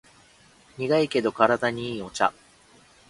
苦いけど体にいいお茶